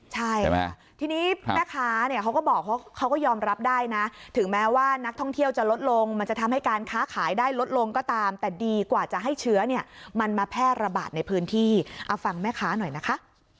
สายได้ลดลงก็ตามแต่ดีกว่าจะให้เชื้อเนี่ยมันมาแพร่ระบาดในพื้นที่เอาฟังแม่ค้าหน่อยนะคะ